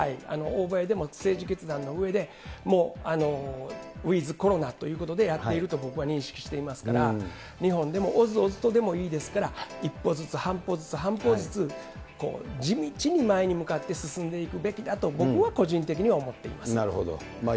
欧米でも政治決断のうえで、もうウィズコロナということで、やっていると僕は認識していますから、日本でもおずおずとでもいいですから、一歩ずつ、半歩ずつ、地道に前に向かって進んでいくべきだと、僕は個人的には思っていなるほど。